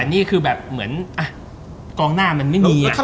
นี่คือแบบเหมือนกองหน้ามันไม่มีค่ะ